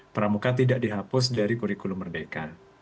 pramuka tidak dihapus dari kurikulum merdeka